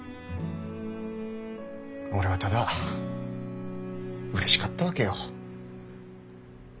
俺はただうれしかったわけよ。